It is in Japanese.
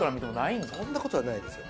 そんなことはないですよ。